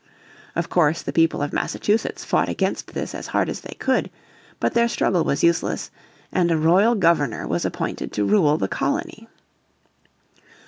Of course, the people of Massachusetts fought against this as hard as they could, but their struggle was useless, and a royal Governor was appointed to rule the colony.